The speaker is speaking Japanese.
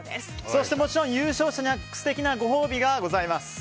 そしてもちろん優勝者には素敵なご褒美がございます。